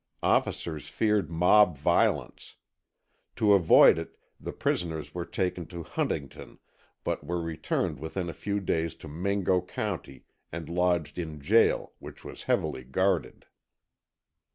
Officers feared mob violence. To avoid it the prisoners were taken to Huntington, but were returned within a few days to Mingo County and lodged in jail, which was heavily guarded.